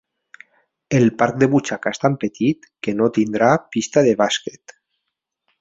El parc de butxaca és tan petit que no tindrà pista de bàsquet.